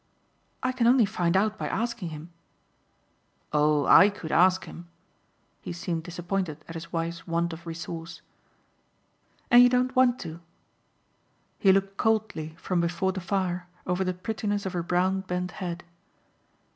"I can only find out by asking him." "Oh I could ask him." He seemed disappointed at his wife's want of resource. "And you don't want to?" He looked coldly, from before the fire, over the prettiness of her brown bent head.